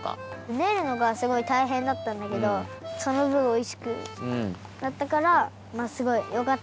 ねるのがすごいたいへんだったんだけどそのぶんおいしくなったからすごいよかったなっておもいます。